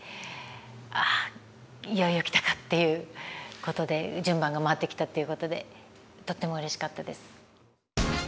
あいよいよ来たか！っていうことで順番が回ってきたっていうことでとってもうれしかったです。